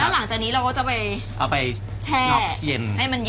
แล้วหลังจากนี้เราก็จะไปแช่เย็น